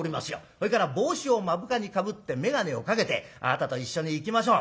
それから帽子を目深にかぶって眼鏡をかけてあなたと一緒に行きましょう。